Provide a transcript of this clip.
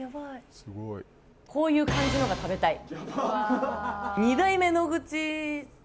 こういう感じのが食べたい。